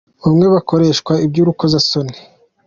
bamwe kakoreshwa iby'urukozasoni.